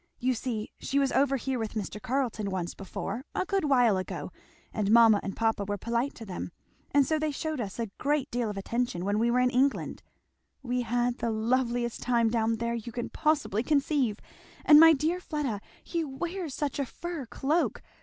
You see she was over here with Mr. Carleton once before, a good while ago; and mamma and papa were polite to them, and so they shewed us a great deal of attention when we were in England. We had the loveliest time down there you can possibly conceive. And my dear Fleda he wears such a fur cloak!